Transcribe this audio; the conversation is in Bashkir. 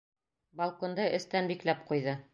Балконды эстән бикләп ҡуйҙы.